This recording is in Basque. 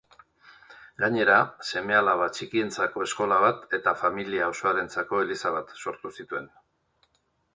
Gainera, seme-alaba txikientzako eskola bat eta familia osoarentzako eliza bat sortu zituen.